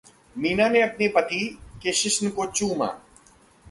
मीना ने अपने पती के शिश्न को चूमा।